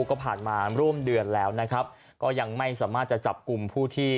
ก็ผ่านมาร่วมเดือนแล้วนะครับก็ยังไม่สามารถจะจับกลุ่มผู้ที่